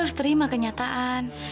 lu harus terima kenyataan